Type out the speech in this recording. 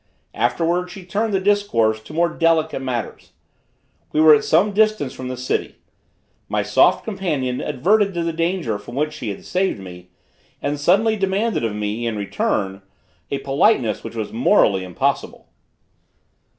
Afterwards she turned the discourse to more delicate matters. We were at some distance from the city. My soft companion adverted to the danger from which she had saved me, and suddenly demanded of me, in return, a politeness which was morally impossible.